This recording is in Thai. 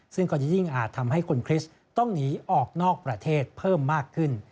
ซึ่งก็จะยิ่งอาจทำให้คนคริสต์ต้องหนีออกนอกประเทศเพิ่มมากขึ้น